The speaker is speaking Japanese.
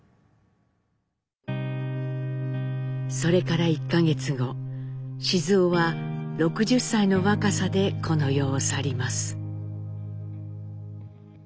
それから１か月後雄は６０歳の若さでこの世を去ります。